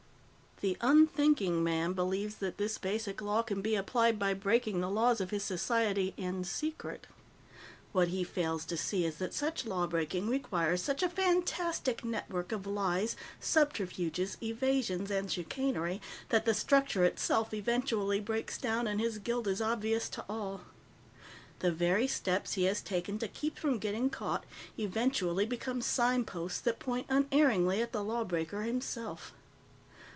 _ The unthinking man believes that this basic law can be applied by breaking the laws of his society in secret. What he fails to see is that such lawbreaking requires such a fantastic network of lies, subterfuges, evasions, and chicanery that the structure itself eventually breaks down and his guilt is obvious to all. The very steps he has taken to keep from getting caught eventually become signposts that point unerringly at the lawbreaker himself.